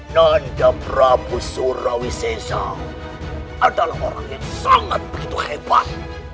nanda prabu surawi sesa adalah orang yang sangat begitu hebat